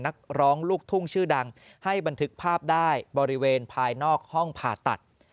นักร้องลูกทุ่งชื่อดังให้บันทึกภาพได้บริเวณภายนอกห้องผ่าตัด